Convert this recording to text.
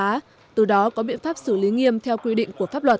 và đưa được các biện pháp nghiêm theo quy định của pháp luật